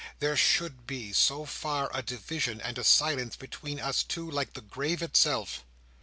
There should be, so far, a division, and a silence between us two, like the grave itself."